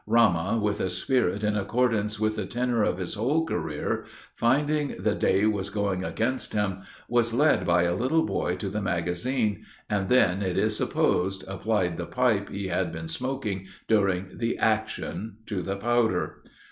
Ramah, with a spirit in accordance with the tenor of his whole career, finding the day was going against him, was led by a little boy to the magazine, and then, it is supposed, applied the pipe he had been smoking during the action to the powder.